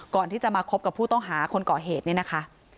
ก่อนที่จะมาคบกับผู้ต้องหาคนก่อเหตุเนี่ยนะคะ